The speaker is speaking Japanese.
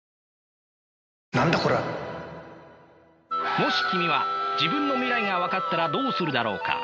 もし君は自分の未来が分かったらどうするだろうか？